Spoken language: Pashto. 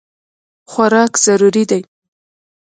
خوراک ضروري دی.